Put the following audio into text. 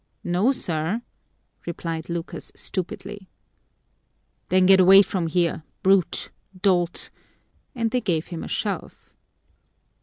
"No, sir," replied Lucas stupidly. "Then get away from here! Brute! Dolt!" And they gave him a shove.